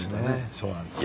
そうなんです。